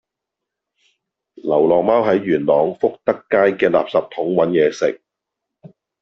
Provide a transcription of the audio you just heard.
流浪貓喺元朗福德街嘅垃圾桶搵野食